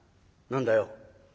「何だよ？」。